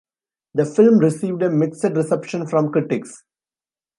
The film received a mixed reception from critics.